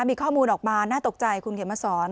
มีข้อมูลออกมาน่าตกใจคุณเขียนมาสอน